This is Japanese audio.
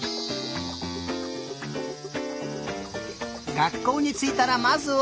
がっこうについたらまずは？